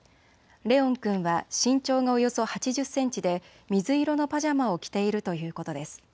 怜音君は身長がおよそ８０センチで水色のパジャマを着ているということです。